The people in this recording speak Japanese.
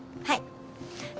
はい。